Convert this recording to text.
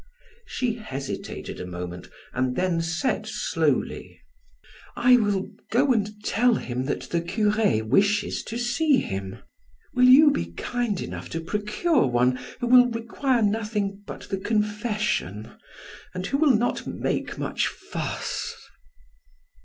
She hesitated a moment and then said slowly: "I will go and tell him that the cure wishes to see him. Will you be kind enough to procure one who will require nothing but the confession, and who will not make much fuss?"